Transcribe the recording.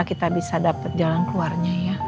kita bisa dapat jalan keluarnya ya